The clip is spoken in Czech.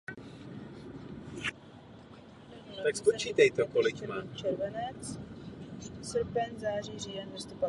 Toho doopravdy najdou.